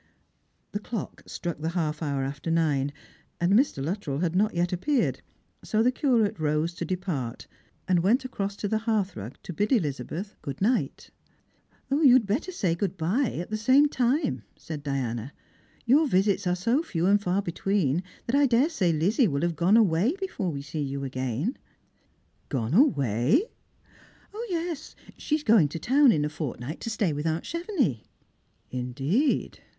The clock struck the half hour after nine, and Mr. Luttrell had not yet appeared, so the Curate rose to depart, and went across to the hearthrug to bid Elizabeth good night. " You had better say good bye at the same time," said Diana. " Your visits are so few and far between that I daresay Lizzie will have gone away before we eee you again." " Gone away !" Strangers and Pilgrims. 139 " Yes ; she is going to town in a fortnight to stay with aunt Chevenix." " Indeed."